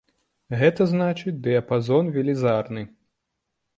Гэта значыць, дыяпазон велізарны.